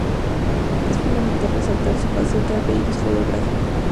Es fundamental resaltar su faceta de ilustrador gráfico.